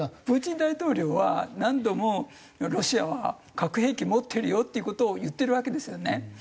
プーチン大統領は何度もロシアは核兵器持ってるよっていう事を言ってるわけですよね。